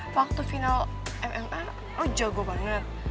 waktu final mma oh jago banget